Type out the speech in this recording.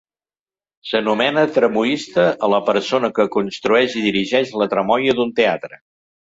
S'anomena tramoista a la persona que construeix i dirigeix la tramoia d'un teatre.